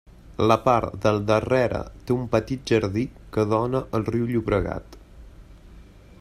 La part del darrere té un petit jardí que dóna al riu Llobregat.